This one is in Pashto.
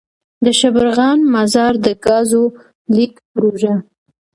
دشبرغان -مزار دګازو دلیږد پروژه.